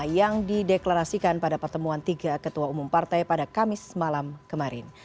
yang dideklarasikan pada pertemuan tiga ketua umum partai pada kamis malam kemarin